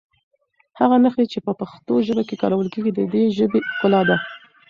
هغه نښې چې په پښتو ژبه کې کارول کېږي د دې ژبې ښکلا ده.